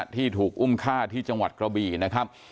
ที่ถูกอุ้มฆ่าที่จังหวัดกระบี่นะครับ